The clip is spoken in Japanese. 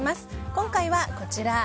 今回はこちら。